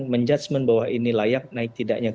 menjudgement bahwa ini layak naik tidaknya